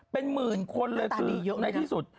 เป็นหมื่นคนในที่สุด